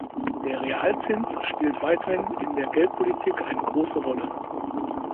Der Realzins spielt weiterhin in der Geldpolitik eine große Rolle.